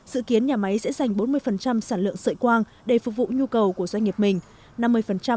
dự kiến nhà máy sẽ dành bốn mươi sản lượng sợi quang để phục vụ nhu cầu của doanh nghiệp mình